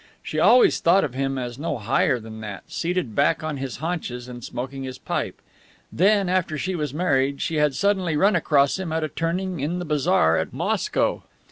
She always thought of him as no higher than that, seated back on his haunches and smoking his pipe. Then, after she was married, she had suddenly run across him at a turning in the bazaar at Moscow.